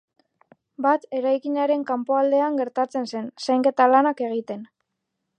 Bat eraikinaren kanpoaldean geratzen zen, zainketa lanak egiten.